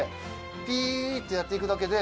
ピっとやって行くだけで。